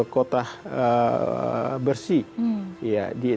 kita meraih kota bersih